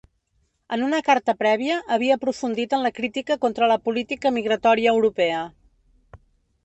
En una carta prèvia, havia aprofundit en la crítica contra la política migratòria europea.